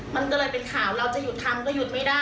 มันก็เลยเป็นข่าวเราจะหยุดทำก็หยุดไม่ได้